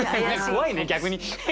怖いね逆に。